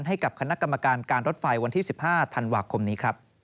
ให้กับคณะกรรมการการรถไฟวันที่๑๕ธันวาคมนี้ครับ